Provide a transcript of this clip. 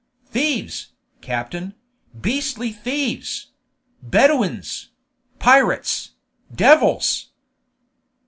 "Thieves, captain! beastly thieves! Bedouins! pirates! devils!"